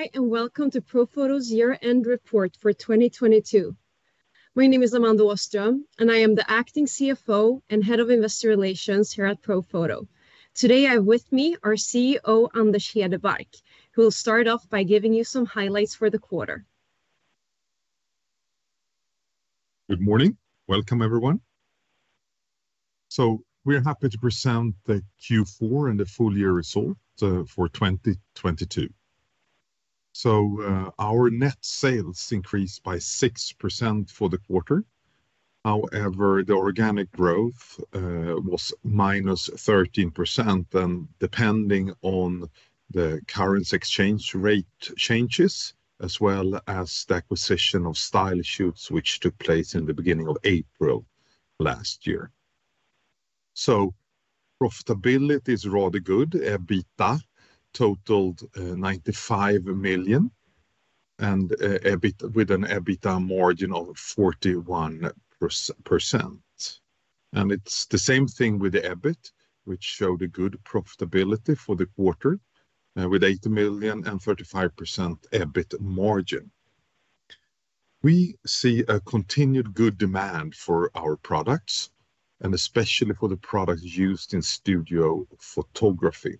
Hi, welcome to Profoto's year-end report for 2022. My name is Amanda Åström, and I am the Acting CFO and Head of Investor Relations here at Profoto. Today I have with me our CEO Anders Hedebark, who will start off by giving you some highlights for the quarter. Good morning. Welcome, everyone. We are happy to present the Q4 and the full year result for 2022. Our net sales increased by 6% for the quarter. However, the organic growth was -13%, and depending on the current exchange rate changes, as well as the acquisition of StyleShoots, which took place in the beginning of April last year. Profitability is rather good. EBITDA totaled 95 million, and EBIT with an EBITDA margin of 41%. It's the same thing with the EBIT, which showed a good profitability for the quarter, with 80 million and 35% EBIT margin. We see a continued good demand for our products, and especially for the products used in studio photography.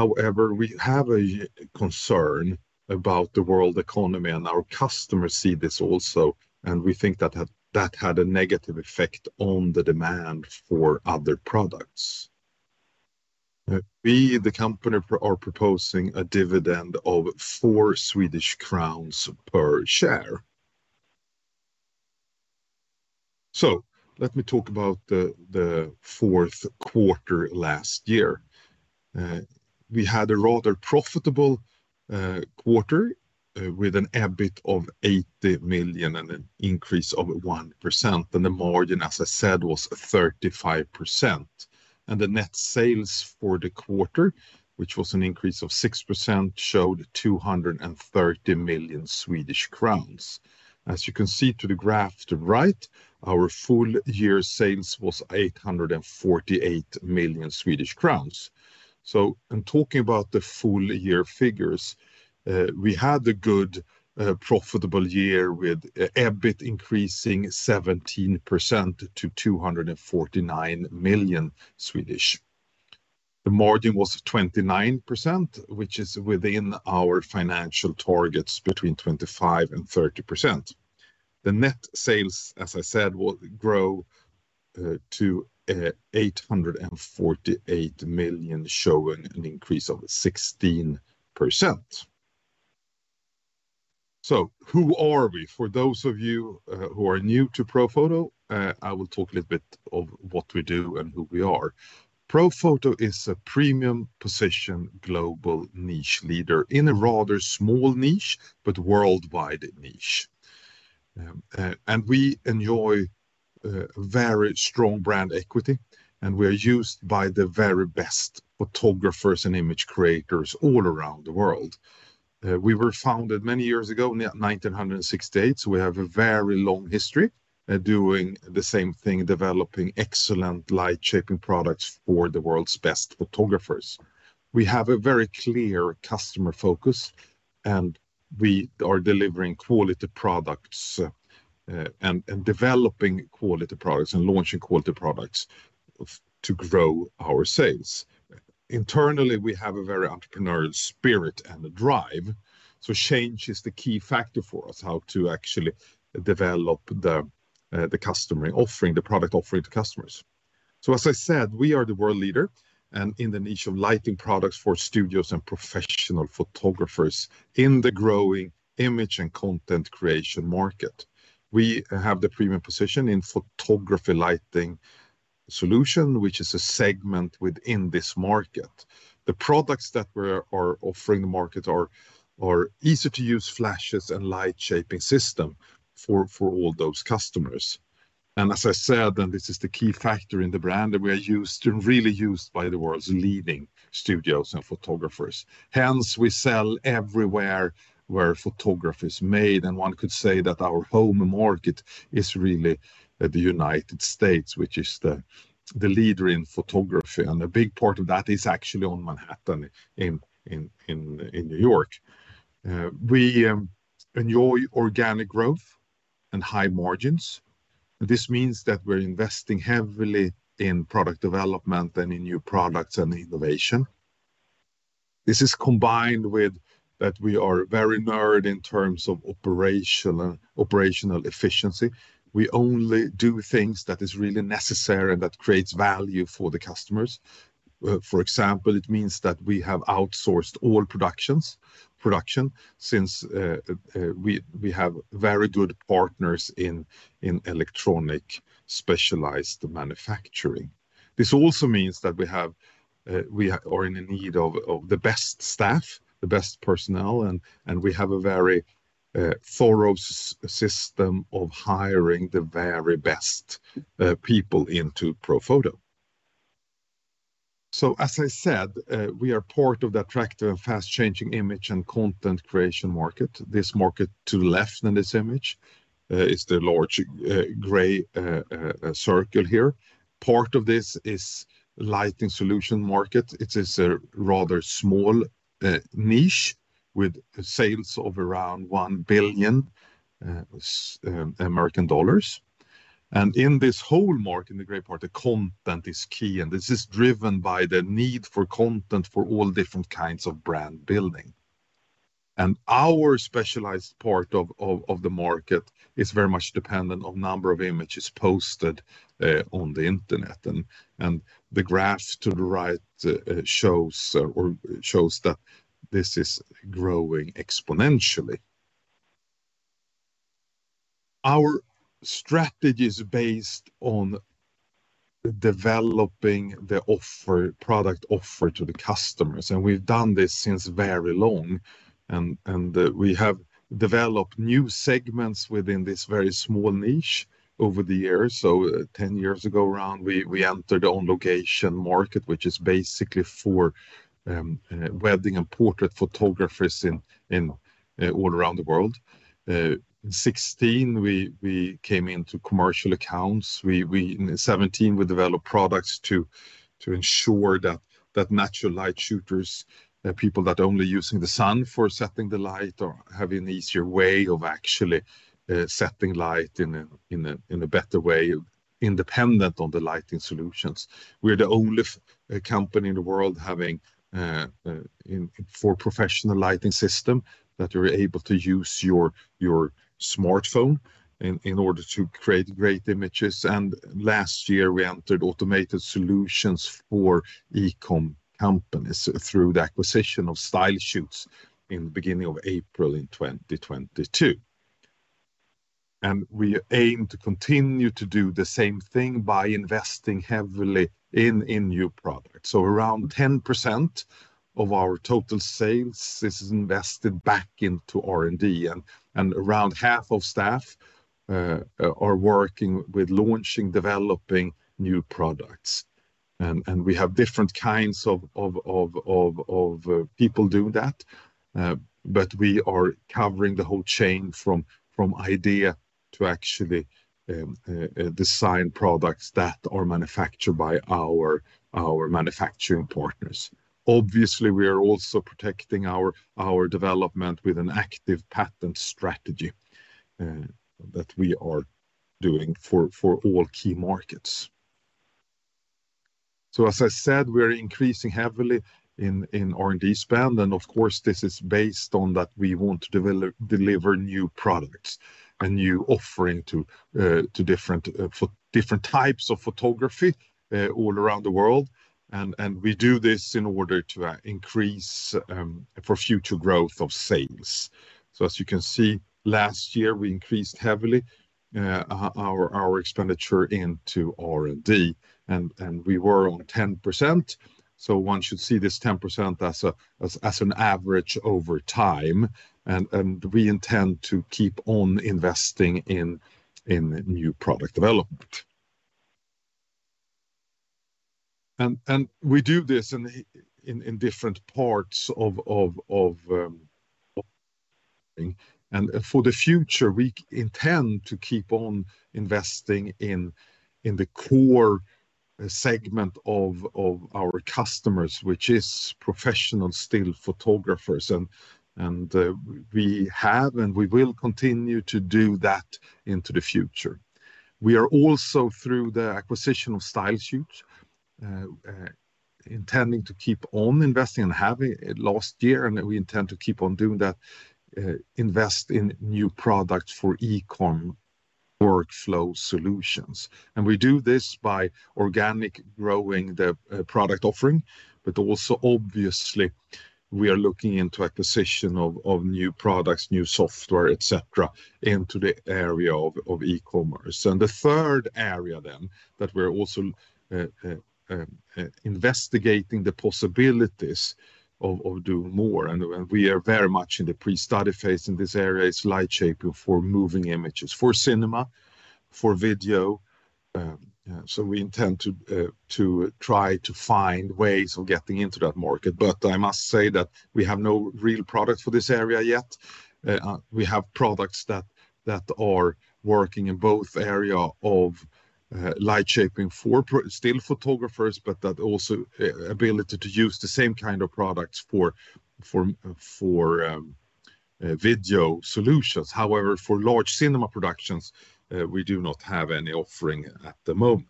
However, we have a concern about the world economy, our customers see this also, and we think that had a negative effect on the demand for other products. We, the company, are proposing a dividend of 4 Swedish crowns per share. Let me talk about the Q4 last year. We had a rather profitable quarter with an EBIT of 80 million and an increase of 1%. The margin, as I said, was 35%. The net sales for the quarter, which was an increase of 6%, showed 230 million Swedish crowns. As you can see to the graph to the right, our full-year sales was 848 million Swedish crowns. In talking about the full-year figures, we had a good, profitable year with EBIT increasing 17% to 249 million. The margin was 29%, which is within our financial targets between 25% and 30%. The net sales, as I said, will grow to 848 million, showing an increase of 16%. Who are we? For those of you who are new to Profoto, I will talk a little bit of what we do and who we are. Profoto is a premium position global niche leader in a rather small niche, but worldwide niche. We enjoy very strong brand equity, and we are used by the very best photographers and image creators all around the world. We were founded many years ago 1968, we have a very long history doing the same thing, developing excellent light-shaping products for the world's best photographers. We have a very clear customer focus, and we are delivering quality products, and developing quality products and launching quality products to grow our sales. Internally, we have a very entrepreneurial spirit and a drive, so change is the key factor for us, how to actually develop the customer offering, the product offering to customers. So as I said, we are the world leader and in the niche of lighting products for studios and professional photographers in the growing image and content creation market. We have the premium position in photography lighting solution, which is a segment within this market. The products that we are offering the market are easy-to-use flashes and light-shaping system for all those customers. As I said, and this is the key factor in the brand, that we are used, really used by the world's leading studios and photographers. We sell everywhere where photography is made, and one could say that our home market is really, the United States, which is the leader in photography, and a big part of that is actually on Manhattan in New York. We enjoy organic growth and high margins. This means that we're investing heavily in product development and in new products and innovation. This is combined with that we are very nerd in terms of operational efficiency. We only do things that is really necessary and that creates value for the customers. For example, it means that we have outsourced all production since we have very good partners in electronic specialized manufacturing. This also means that we are in need of the best staff, the best personnel, and we have a very thorough system of hiring the very best people into Profoto. As I said, we are part of the attractive, fast-changing image and content creation market. This market to left in this image is the large gray circle here. Part of this is lighting solution market. It is a rather small niche. With sales of around 1 billion American dollars. In this whole market, in the great part, the content is key, and this is driven by the need for content for all different kinds of brand building. Our specialized part of the market is very much dependent on number of images posted on the internet, and the graph to the right shows that this is growing exponentially. Our strategy is based on developing the product offer to the customers, and we've done this since very long and we have developed new segments within this very small niche over the years. 10 years ago around, we entered on location market, which is basically for wedding and portrait photographers in all around the world. In 2016, we came into commercial accounts. In 2017, we developed products to ensure that natural light shooters, people that are only using the sun for setting the light are having easier way of actually setting light in a better way, independent on the lighting solutions. We're the only company in the world having for professional lighting system that you're able to use your smartphone in order to create great images. Last year, we entered automated solutions for e-com companies through the acquisition of StyleShoots in the beginning of April in 2022. We aim to continue to do the same thing by investing heavily in new products. Around 10% of our total sales is invested back into R&D, and around half of staff are working with launching, developing new products. We have different kinds of people doing that, but we are covering the whole chain from idea to actually design products that are manufactured by our manufacturing partners. Obviously, we are also protecting our development with an active patent strategy that we are doing for all key markets. As I said, we're increasing heavily in R&D spend, and of course, this is based on that we want to deliver new products, a new offering to different types of photography all around the world. We do this in order to increase for future growth of sales. As you can see, last year, we increased heavily our expenditure into R&D, and we were on 10%. One should see this 10% as an average over time, and we intend to keep on investing in new product development. For the future, we intend to keep on investing in the core segment of our customers, which is professional still photographers, and we have, and we will continue to do that into the future. We are also through the acquisition of StyleShoots, intending to keep on investing and having it last year, and we intend to keep on doing that, invest in new products for e-com workflow solutions. We do this by organic growing the product offering, but also obviously we are looking into acquisition of new products, new software, et cetera, into the area of e-commerce. The third area that we're also investigating the possibilities of doing more, and we are very much in the pre-study phase in this area, is light shaping for moving images, for cinema, for video. We intend to try to find ways of getting into that market. I must say that we have no real product for this area yet. We have products that are working in both area of light shaping for still photographers, but that also ability to use the same kind of products for video solutions. However, for large cinema productions, we do not have any offering at the moment.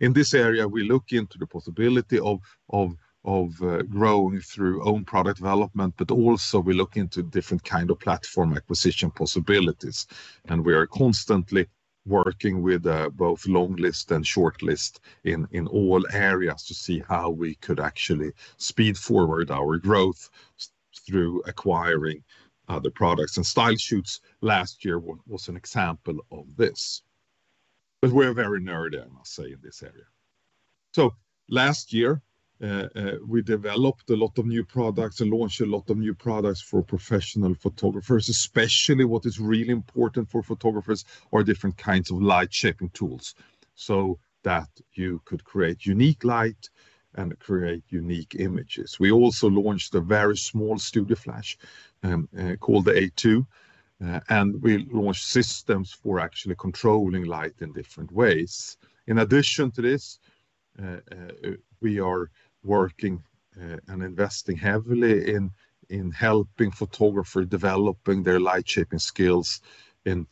In this area, we look into the possibility of growing through own product development, but also we look into different kind of platform acquisition possibilities, and we are constantly working with both long list and short list in all areas to see how we could actually speed forward our growth through acquiring other products. StyleShoots last year was an example of this. We're very nerdy, I must say, in this area. Last year, we developed a lot of new products and launched a lot of new products for professional photographers, especially what is really important for photographers are different kinds of light shaping tools, so that you could create unique light and create unique images. We also launched a very small studio flash, called the A2. We launched systems for actually controlling light in different ways. In addition to this, we are working and investing heavily in helping photographer developing their light shaping skills in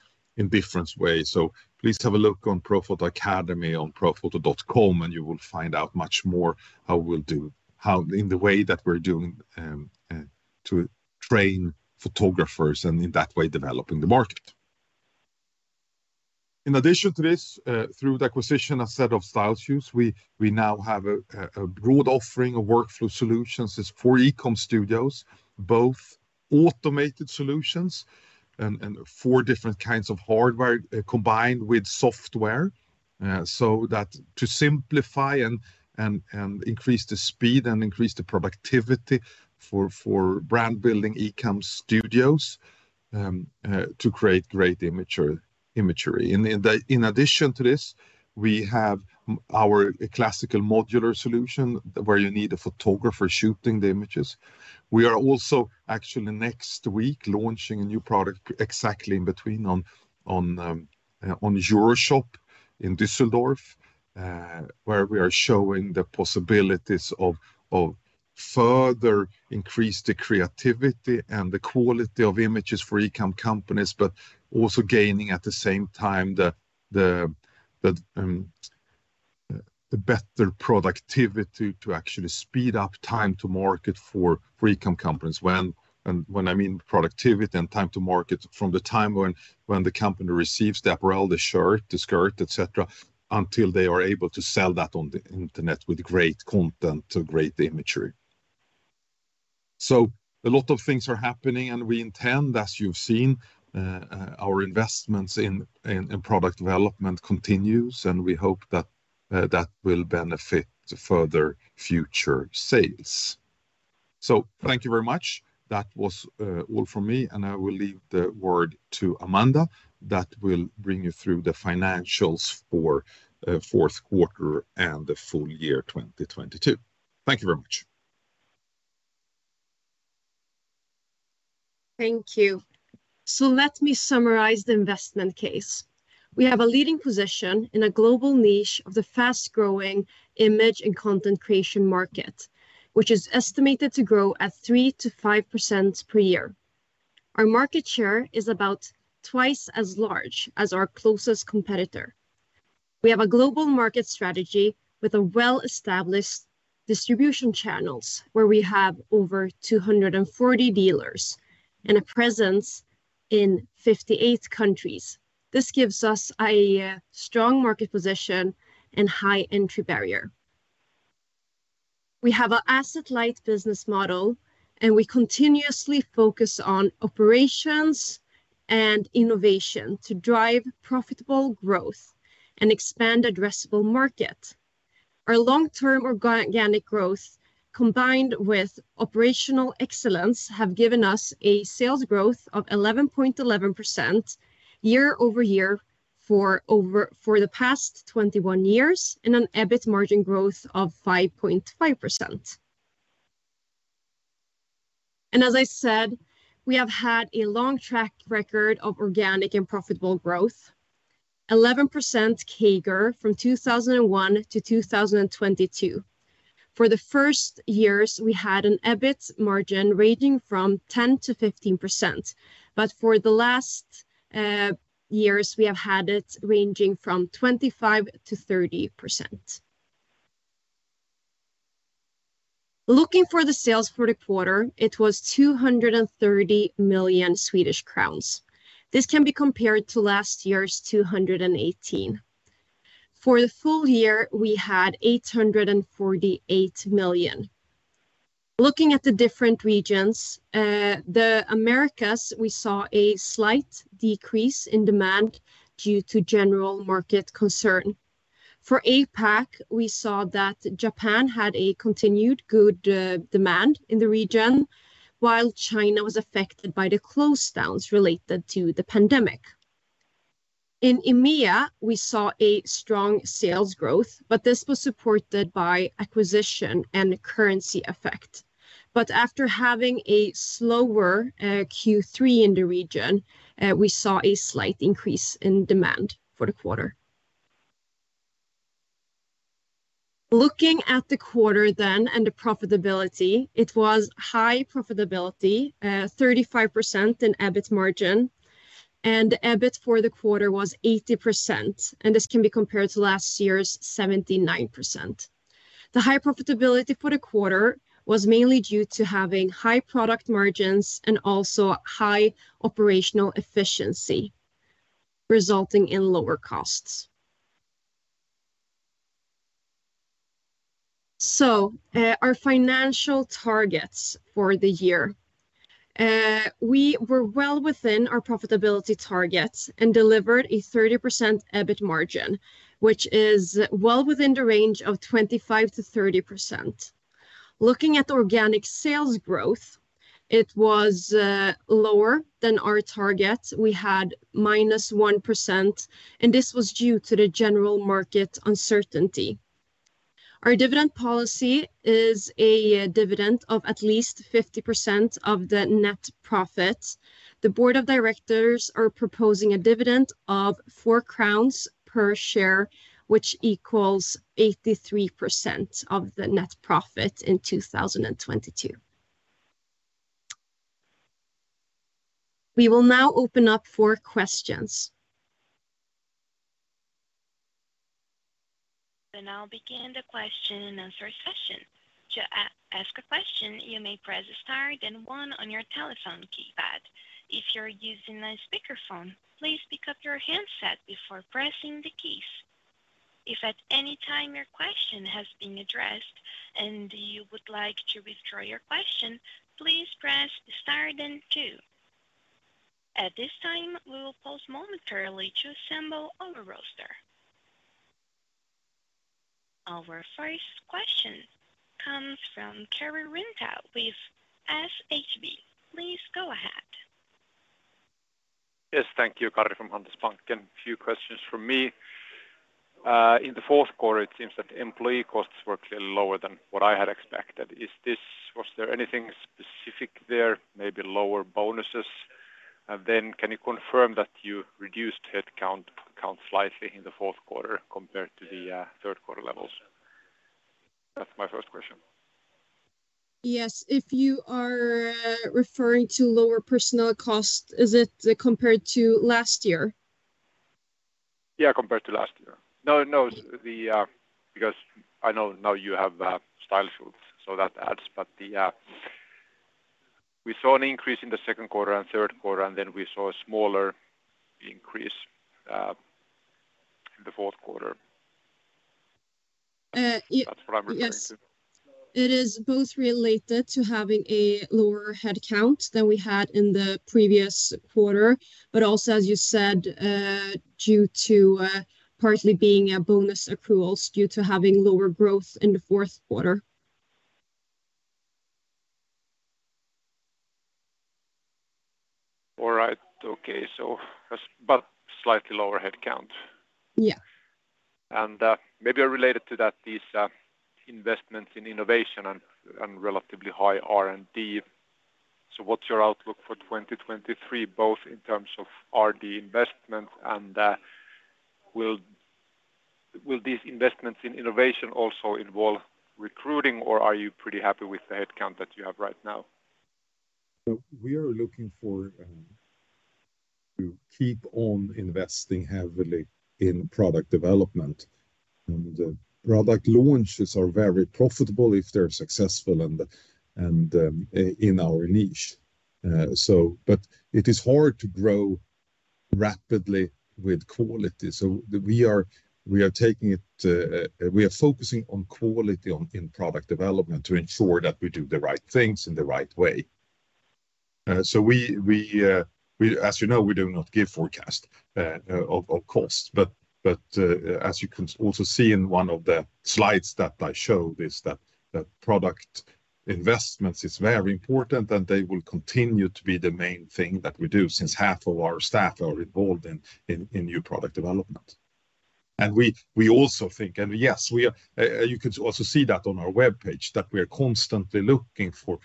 different ways. Please have a look on Profoto Academy on profoto.com, and you will find out much more in the way that we're doing to train photographers and in that way, developing the market. In addition to this, through the acquisition Asset of StyleShoots, we now have a broad offering of workflow solutions. It's for e-com studios, both automated solutions and four different kinds of hardware combined with software so that to simplify and increase the speed and increase the productivity for brand building e-com studios to create great imagery. In addition to this, we have our classical modular solution where you need a photographer shooting the images. We are also actually next week launching a new product exactly in between on EuroShop in Düsseldorf, where we are showing the possibilities of further increase the creativity and the quality of images for e-com companies, but also gaining at the same time the better productivity to actually speed up time to market for e-com companies when, I mean, productivity and time to market from the time when the company receives the apparel, the shirt, the skirt, et cetera, until they are able to sell that on the internet with great content to great imagery. A lot of things are happening, and we intend, as you've seen, our investments in product development continues, and we hope that will benefit further future sales. Thank you very much. That was all from me, and I will leave the word to Amanda that will bring you through the financials for Q4 and the full year 2022. Thank you very much. Thank you. Let me summarize the investment case. We have a leading position in a global niche of the fast-growing image and content creation market, which is estimated to grow at 3% to 5% per year. Our market share is about twice as large as our closest competitor. We have a global market strategy with a well-established distribution channels where we have over 240 dealers and a presence in 58 countries. This gives us a strong market position and high entry barrier. We have a asset-light business model, and we continuously focus on operations and innovation to drive profitable growth and expand addressable market. Our long-term organic growth combined with operational excellence have given us a sales growth of 11.11% year-over-year for the past 21 years and an EBIT margin growth of 5.5%. As I said, we have had a long track record of organic and profitable growth, 11% CAGR from 2001 to 2022. For the first years, we had an EBIT margin ranging from 10% to 15%, but for the last years, we have had it ranging from 25% to 30%. Looking for the sales for the quarter, it was 230 million Swedish crowns. This can be compared to last year's 218 million. For the full year, we had 848 million. Looking at the different regions, the Americas, we saw a slight decrease in demand due to general market concern. For APAC, we saw that Japan had a continued good demand in the region, while China was affected by the closedowns related to the pandemic. In EMEA, we saw a strong sales growth, but this was supported by acquisition and currency effect. After having a slower Q3 in the region, we saw a slight increase in demand for the quarter. Looking at the quarter then and the profitability, it was high profitability, 35% in EBIT margin, and EBIT for the quarter was 80%, and this can be compared to last year's 79%. The high profitability for the quarter was mainly due to having high product margins and also high operational efficiency, resulting in lower costs. Our financial targets for the year. We were well within our profitability targets and delivered a 30% EBIT margin, which is well within the range of 25% to 30%. Looking at organic sales growth, it was lower than our target. We had -1%, and this was due to the general market uncertainty. Our dividend policy is a dividend of at least 50% of the net profits. The board of directors are proposing a dividend of 4 crowns per share, which equals 83% of the net profit in 2022. We will now open up for questions I'll begin the question and answer session. To ask a question, you may press star then 1 on your telephone keypad. If you're using a speakerphone, please pick up your handset before pressing the keys. If at any time your question has been addressed and you would like to withdraw your question, please press Star then two. At this time, we will pause momentarily to assemble our roster. Our first question comes from Kari Rinta with SHB. Please go ahead. Yes. Thank you. Kari from Handelsbanken. Few questions from me. In the Q4, it seems that employee costs were clearly lower than what I had expected. Was there anything specific there, maybe lower bonuses? Can you confirm that you reduced headcount slightly in the Q4 compared to the Q3 levels? That's my first question. Yes. If you are referring to lower personnel costs, is it compared to last year? Yeah, compared to last year. No. Because I know now you have StyleShoots, so that adds. We saw an increase in the Q2 and Q3, then we saw a smaller increase in the Q4. That's what I'm referring to. Yes. It is both related to having a lower headcount than we had in the previous quarter, but also, as you said, due to partly being a bonus accruals due to having lower growth in the Q4. All right. Okay. Slightly lower headcount. Yeah. Maybe related to that, these investments in innovation and relatively high R&D. What's your outlook for 2023, both in terms of R&D investments and will these investments in innovation also involve recruiting, or are you pretty happy with the headcount that you have right now? We are looking for to keep on investing heavily in product development and the product launches are very profitable if they're successful and in our niche. But it is hard to grow rapidly with quality. We are taking it, we are focusing on quality in product development to ensure that we do the right things in the right way. We, as you know, we do not give forecast of course, but as you can also see in one of the slides that I showed is that product investments is very important and they will continue to be the main thing that we do since half of our staff are involved in new product development. We also think, Yes, we are, you could also see that on our webpage, that we are constantly looking for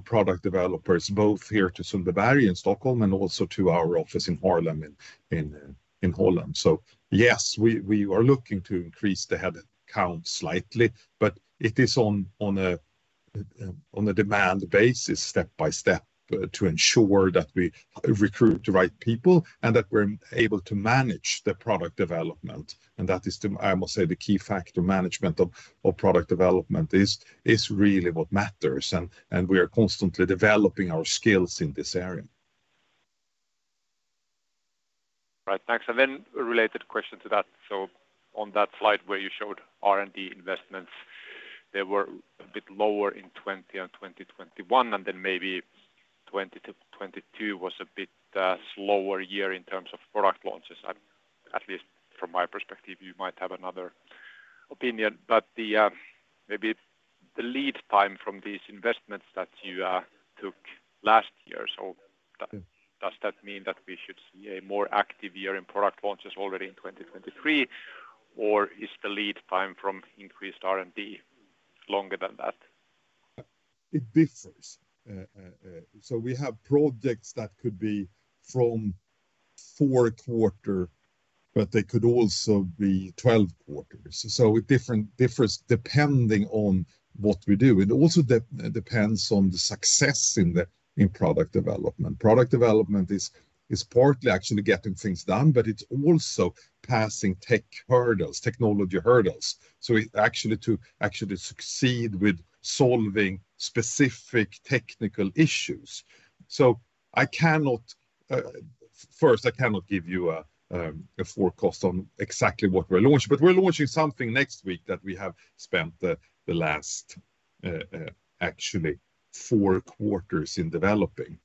product developers, both here to Sundbyberg in Stockholm and also to our office in Haarlem in Holland. Yes, we are looking to increase the headcount slightly, but it is on a demand basis, step by step, to ensure that we recruit the right people and that we're able to manage the product development. That is the, I must say, the key factor management of product development is really what matters and we are constantly developing our skills in this area. Right. Thanks. A related question to that, on that slide where you showed R&D investments, they were a bit lower in 2020 and 2021, maybe 2022 was a bit slower year in terms of product launches, at least from my perspective. You might have another opinion. The, maybe the lead time from these investments that you took last year. Does that mean that we should see a more active year in product launches already in 2023, or is the lead time from increased R&D longer than that? It differs. We have projects that could be from four quarter, but they could also be 12 quarters. With different, differs depending on what we do. It also depends on the success in the product development. Product development is partly actually getting things done, but it's also passing tech hurdles, technology hurdles. Actually to succeed with solving specific technical issues. I cannot, first, I cannot give you a forecast on exactly what we're launching, but we're launching something next week that we have spent the last actually four quarters in developing.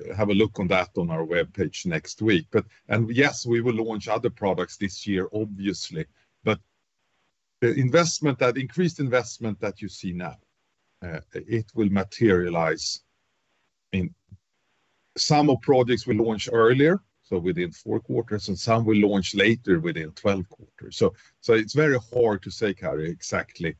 Have a look on that on our webpage next week. And yes, we will launch other products this year, obviously. The investment, that increased investment that you see now, it will materialize. Some of projects will launch earlier, so within 4 quarters, and some will launch later within 12 quarters. It's very hard to say, Kari, exactly,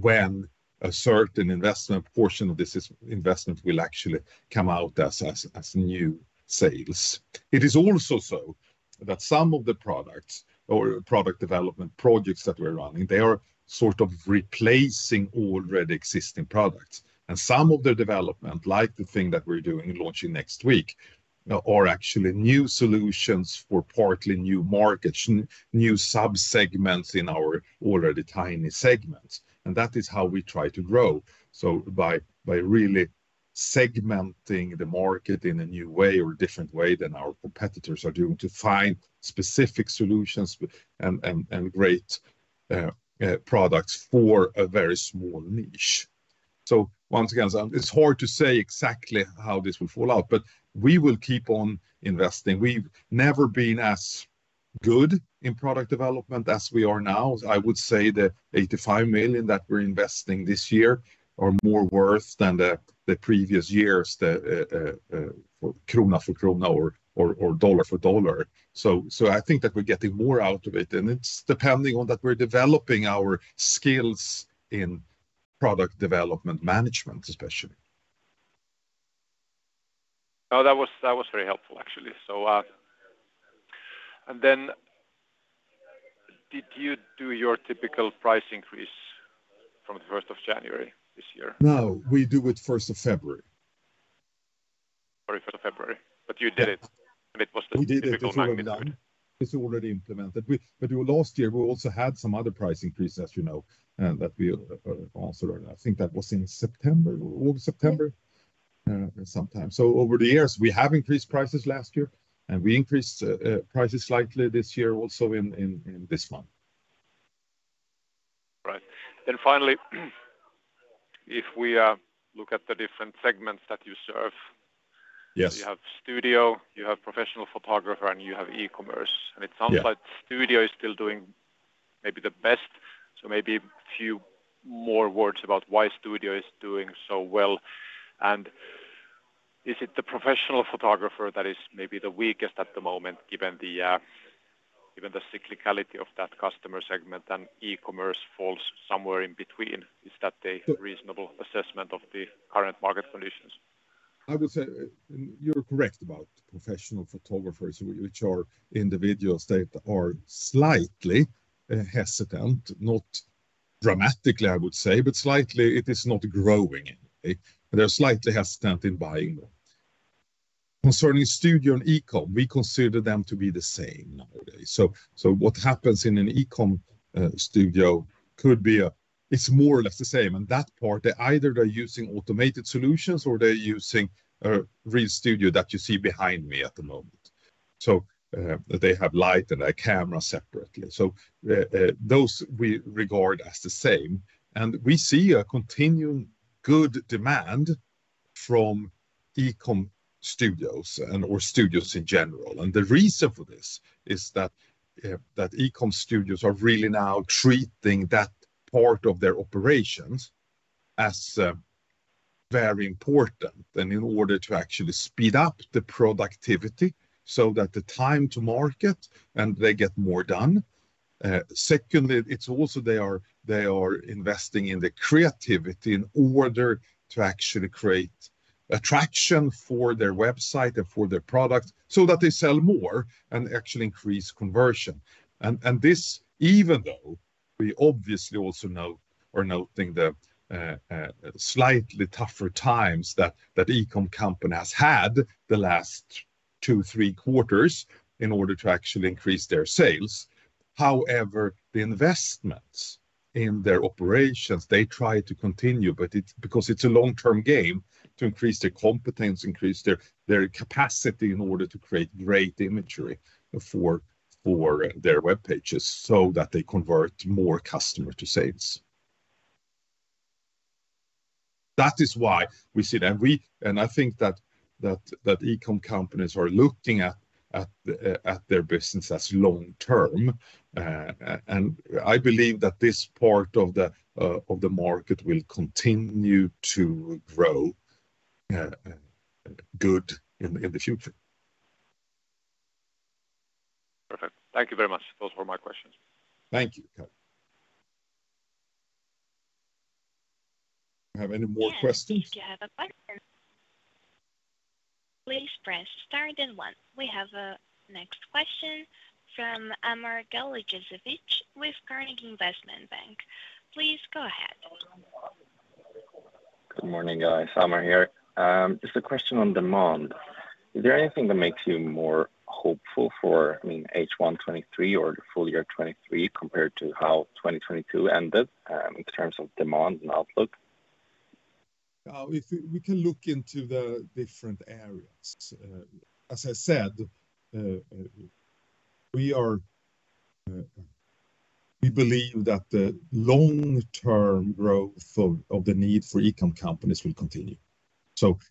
when a certain investment, portion of this investment will actually come out as new sales. It is also so that some of the products or product development projects that we're running, they are sort of replacing already existing products and some of the development, like the thing that we're doing, launching next week, are actually new solutions for partly new markets, new sub-segments in our already tiny segments. That is how we try to grow. By really segmenting the market in a new way or different way than our competitors are doing to find specific solutions and great products for a very small niche. Once again, it's hard to say exactly how this will fall out, but we will keep on investing. We've never been as good in product development as we are now. I would say that 85 million that we're investing this year are more worth than the previous years, for SEK for SEK or $ for $. I think that we're getting more out of it, and it's depending on that we're developing our skills in product development management especially. No, that was very helpful actually. Did you do your typical price increase from the 1st of January this year? No, we do it 1 February. Sorry, for the February. You did it and it was. We did it.... typical timing... through November. It's already implemented. Last year we also had some other price increases, you know, that we also learned. I think that was in September or September sometime. Over the years we have increased prices last year and we increased prices slightly this year also in this month. Right. Finally, if we, look at the different segments that you have studio, you have professional photographer, and you have e-commerce. Yeah. It sounds like studio is still doing maybe the best. Maybe a few more words about why studio is doing so well. Is it the professional photographer that is maybe the weakest at the moment given the cyclicality of that customer segment and e-commerce falls somewhere in between? Is that a reasonable assessment of the current market conditions? I would say you're correct about professional photographers which are individuals. They are slightly hesitant, not dramatically I would say, but slightly it is not growing anyway. They're slightly hesitant in buying more. Concerning studio and e-com, we consider them to be the same nowadays. What happens in an e-com studio could be it's more or less the same. In that part, they either they're using automated solutions or they're using a real studio that you see behind me at the moment. They have light and a camera separately. Those we regard as the same. We see a continuing good demand from e-com studios or studios in general. The reason for this is that e-com studios are really now treating that part of their operations as very important, and in order to actually speed up the productivity so that the time to market and they get more done. Secondly, it's also they are investing in the creativity in order to actually create attraction for their website and for their product, so that they sell more and actually increase conversion. This, even though we obviously also know or noting the slightly tougher times that e-com company has had the last two, three quarters in order to actually increase their sales. The investments in their operations, they try to continue, but it's because it's a long-term game to increase their competence, increase their capacity in order to create great imagery for their web pages so that they convert more customer to sales. That is why we see that. I think that e-com companies are looking at their business as long term. I believe that this part of the market will continue to grow good in the future. Perfect. Thank you very much. Those were my questions. Thank you, Kari. Do I have any more questions? Yes. You have a partner. Please press star then one. We have a next question from Amar Galicevic with Carnegie Investment Bank. Please go ahead. Good morning, guys. Amar here. It's a question on demand. Is there anything that makes you more hopeful for, I mean, H1 2023 or the full year 2023 compared to how 2022 ended in terms of demand and outlook? If we can look into the different areas. As I said, We believe that the long-term growth of the need for e-com companies will continue.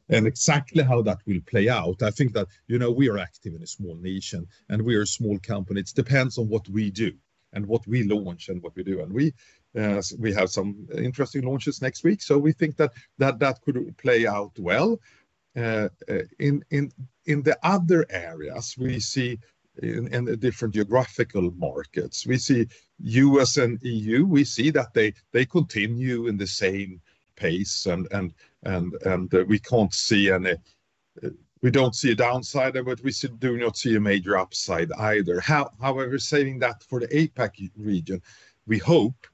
Exactly how that will play out, I think that, you know, we are active in a small nation and we are a small company. It depends on what we do and what we launch and what we do. We have some interesting launches next week, so we think that could play out well. In the other areas we see in the different geographical markets, we see US and EU, we see that they continue in the same pace and we can't see any, we don't see a downside of it. We do not see a major upside either. However, saying that for the APAC region, we hope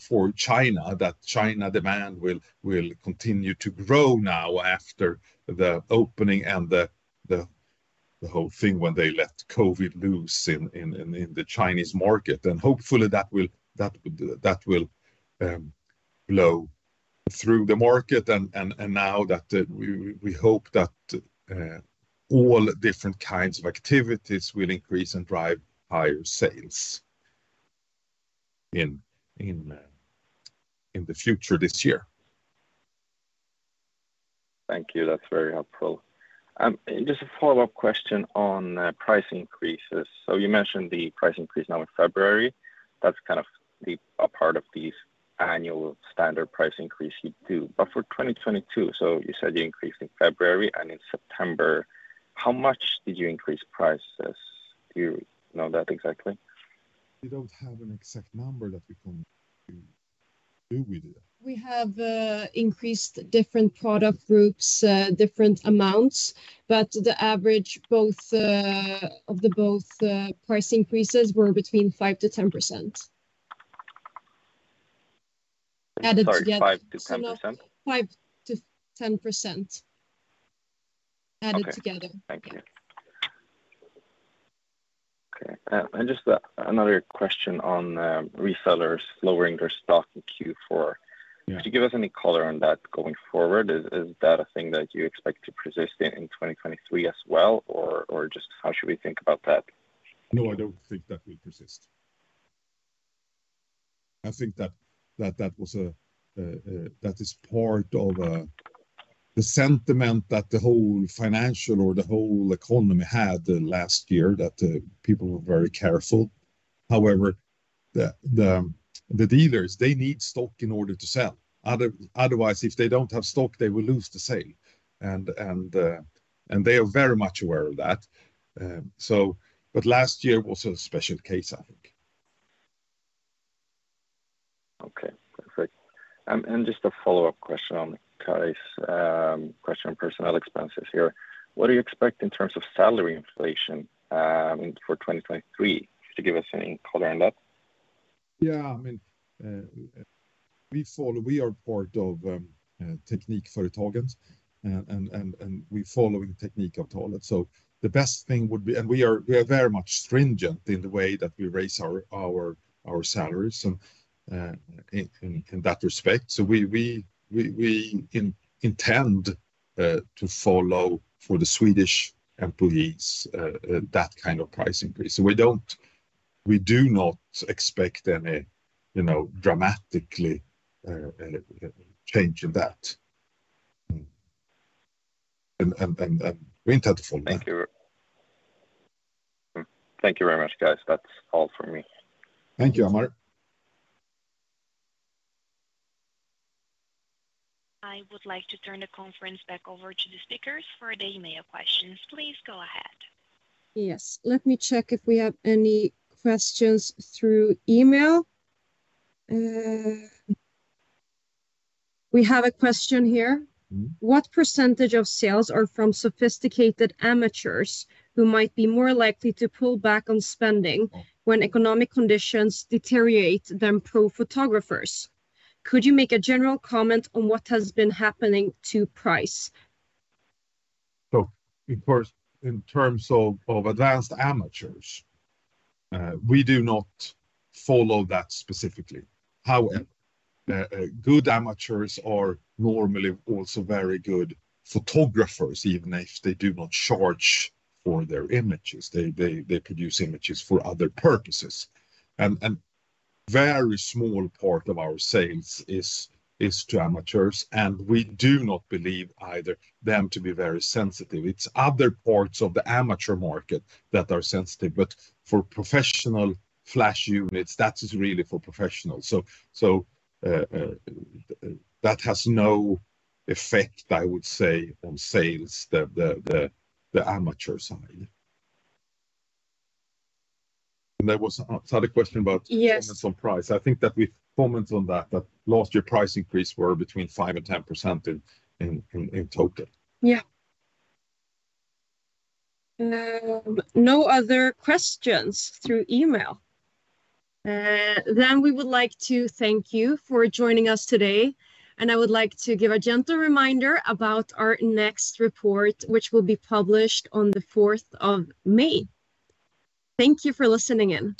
for China, that China demand will continue to grow now after the opening and the whole thing when they let COVID loose in the Chinese market. Hopefully that will blow through the market and now that we hope that all different kinds of activities will increase and drive higher sales in the future this year. Thank you. That's very helpful. Just a follow-up question on price increases. You mentioned the price increase now in February. That's kind of a part of the annual standard price increase you do. For 2022, you said you increased in February and in September. How much did you increase prices? Do you know that exactly? We don't have an exact number that we can do with that. We have increased different product groups, different amounts, but the average both of the both price increases were between 5%-10%. I'm sorry, 5% to 10%? 5% to 10% added together. Okay. Thank you. Okay. Just another question on resellers lowering their stock in Q4. Yeah. Could you give us any color on that going forward? Is that a thing that you expect to persist in 2023 as well? Or just how should we think about that? No, I don't think that will persist. I think that that was a that is part of the sentiment that the whole financial or the whole economy had last year, that people were very careful. However, the dealers, they need stock in order to sell. Otherwise, if they don't have stock, they will lose the sale. They are very much aware of that. Last year was a special case, I think. Okay. Perfect. Just a follow-up question on Kari's question on personnel expenses here. What do you expect in terms of salary inflation for 2023? Could you give us any color on that? I mean, we follow, we are part of Teknikföretagen, and we follow the Teknikföretagen. The best thing would be. We are very much stringent in the way that we raise our salaries and in that respect. We intend to follow for the Swedish employees that kind of price increase. We do not expect any, you know, dramatically, change in that. We intend to follow that. Thank you. Thank you very much, guys. That's all from me. Thank you, Amar. I would like to turn the conference back over to the speakers for the email questions. Please go ahead. Yes. Let me check if we have any questions through email. We have a question here. What percentage of sales are from sophisticated amateurs who might be more likely to pull back on spending? When economic conditions deteriorate than pro photographers? Could you make a general comment on what has been happening to price? Of course, in terms of advanced amateurs, we do not follow that specifically. However, good amateurs are normally also very good photographers, even if they do not charge for their images. They produce images for other purposes. Very small part of our sales is to amateurs, and we do not believe either them to be very sensitive. It's other parts of the amateur market that are sensitive. For professional flash units, that is really for professionals. That has no effect, I would say, on sales, the amateur side. There was also the question about comments on price. I think that we've commented on that last year price increase were between 5% and 10% in total. No other questions through email. We would like to thank you for joining us today, and I would like to give a gentle reminder about our next report, which will be published on the 4th of May. Thank you for listening in.